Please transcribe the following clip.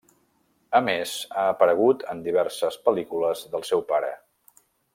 A més ha aparegut en diverses pel·lícules del seu pare.